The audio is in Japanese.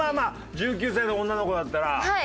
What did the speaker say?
１９歳の女の子だったらたらこ